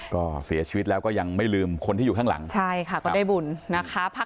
ก็เสียชีวิตแล้วก็ยังไม่ลืมคนที่อยู่ข้างหลังใช่ค่ะก็ได้บุญนะคะ